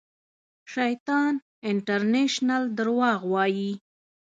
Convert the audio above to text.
شیطان انټرنېشنل درواغ وایي